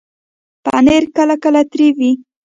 پنېر کله کله تریو وي.